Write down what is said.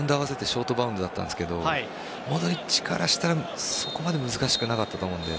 ショートバウンドだったんですがモドリッチからしたらそこまで難しくなかったと思うので。